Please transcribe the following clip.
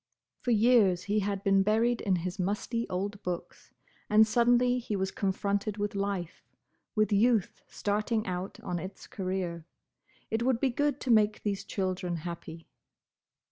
For years he had been buried in his musty old books, and suddenly he was confronted with life, with youth starting out on its career. It would be good to make these children happy.